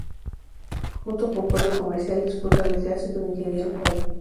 Junto con Puerto Comercial disputan el clásico de Ingeniero White.